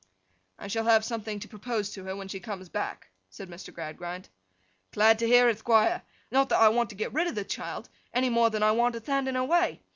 'I shall have something to propose to her when she comes back,' said Mr. Gradgrind. 'Glad to hear it, Thquire. Not that I want to get rid of the child, any more than I want to thtand in her way.